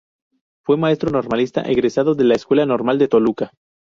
Fue maestro normalista egresado de la Escuela Normal de Toluca.